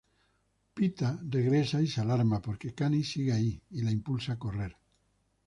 Peeta regresa y se alarma porque Katniss sigue ahí, y la impulsa a correr.